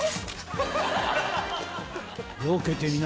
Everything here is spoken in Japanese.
よけてみな。